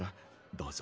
どうぞ。